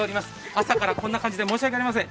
朝からこんな感じで申し訳ありません。